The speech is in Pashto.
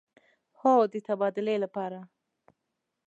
هو، د تبادلې لپاره